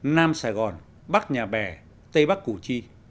nam sài gòn bắc nhà bè tây bắc củ chi